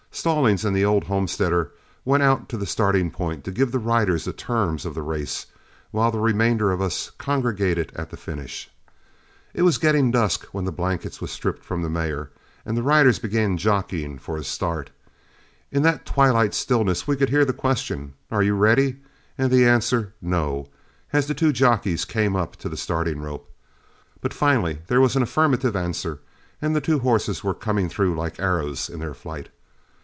Stallings and the old homesteader went out to the starting point to give the riders the terms of the race, while the remainder of us congregated at the finish. It was getting dusk when the blanket was stripped from the mare and the riders began jockeying for a start. In that twilight stillness we could hear the question, "Are you ready?" and the answer "No," as the two jockeys came up to the starting rope. But finally there was an affirmative answer, and the two horses were coming through like arrows in their flight.